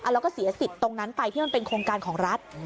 แล้วก็เสียสิทธิ์ตรงนั้นไปที่มันเป็นโครงการของรัฐ